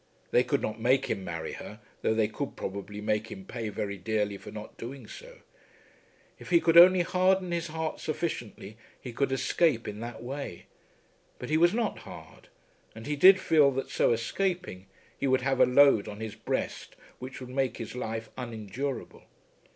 They could not make him marry her though they could probably make him pay very dearly for not doing so. If he could only harden his heart sufficiently he could escape in that way. But he was not hard, and he did feel that so escaping, he would have a load on his breast which would make his life unendurable.